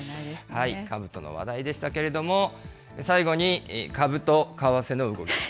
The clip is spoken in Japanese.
かぶとの話題でしたけれども、最後に株と為替の動きです。